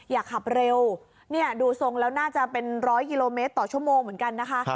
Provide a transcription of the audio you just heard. อย่าขับเร็วดูทรงแล้วน่าจะเป็นร้อยกิโลเมตรต่อชั่วโมงเหมือนกันนะคะ